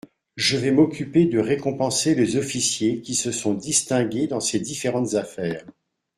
Je vais m'occuper de récompenser les officiers qui se sont distingués dans ces différentes affaires.